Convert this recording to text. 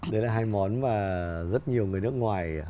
đấy là hai món mà rất nhiều người nước ngoài